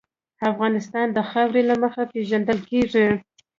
افغانستان د خاوره له مخې پېژندل کېږي.